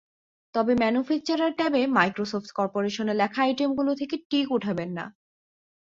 তবে ম্যানুফ্যাকচারার ট্যাবে Microsoft corporation লেখা আইটেমগুলো থেকে টিক ওঠাবেন না।